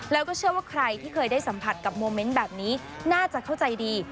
แล้วก็เชื่อว่าใครที่เคยได้สัมผัสกับโมเมนต์แบบนี้น่าจะเข้าใจดี